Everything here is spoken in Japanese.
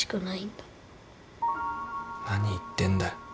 何言ってんだ。